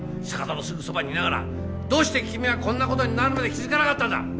坂戸のすぐそばにいながらどうして君はこんなことになるまで気づかなかったんだ！